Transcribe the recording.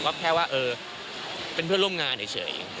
ก็แค่ว่าเออเป็นเพื่อนร่วมงานเฉย